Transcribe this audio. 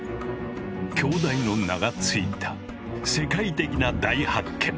「京大」の名が付いた世界的な大発見。